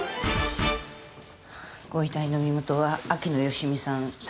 ご遺体の身元は秋野芳美さん３５歳。